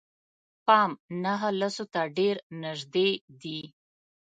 پام نهه لسو ته ډېر نژدې دي.